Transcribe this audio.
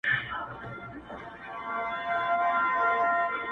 او تر ډېره یې د هارون د ځواني شاعرۍ ستاینه کړې